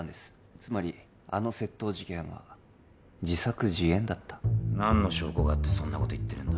つまりあの窃盗事件は自作自演だった何の証拠があってそんなこと言ってるんだ？